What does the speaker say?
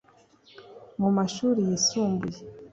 mu mashuri yisumbuye